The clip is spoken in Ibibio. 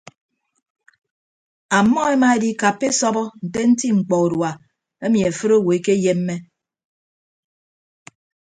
Ammọ emaedikappa esọbọ nte nti mkpọ urua emi afịt owo ekeyemme.